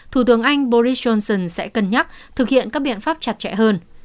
thủ tướng anh boris johnson sẽ cân nhắc thực hiện các biện pháp chặt chẽ hơn